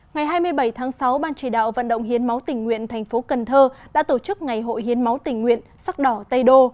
ngày hai mươi bảy tháng sáu ban chỉ đạo vận động hiến máu tình nguyện tp cnh đã tổ chức ngày hội hiến máu tình nguyện sắc đỏ tây đô